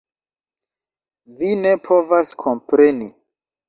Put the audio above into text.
Vi ne povas kompreni.